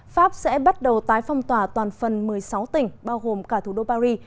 pháp sẽ bắt đầu tái phong tỏa toàn phần một mươi sáu tỉnh bao gồm cả thủ đô paris